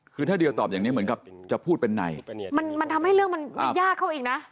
คือถ้าเดียตอบอย่างนี้เหมือนกับจะพูดเป็นในมันมันทำให้เรื่องมันมันยากเข้าอีกนะ